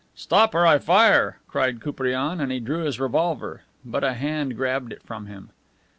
"Stop, or I fire!" cried Koupriane, and he drew his revolver. But a hand grabbed it from him.